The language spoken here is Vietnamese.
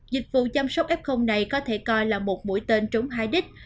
dịch vụ chăm sóc f này có thể coi là một mũi tên trúng hai đích